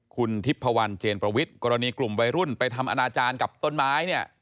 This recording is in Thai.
คุณทิพพวันเจนประวิทย์กรณีกลุ่มวัยรุ่นไปทำอนาจารย์กับต้นไม้เนี่ย